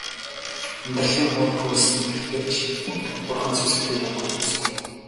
Амьдралын мөр хөөсөн нээрээ ч бурханд сүсэгтэй ядуу хүмүүс бий.